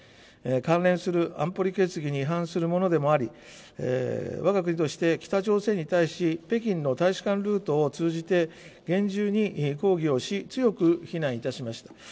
関連する安保理決議に違反するものでもあり、わが国として北朝鮮に対し、北京の大使館ルートを通じて、厳重に抗議をし、強く非難いたしました。